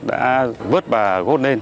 đã vớt bà gốt lên